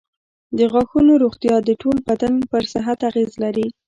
د غاښونو روغتیا د ټول بدن پر صحت اغېز لري.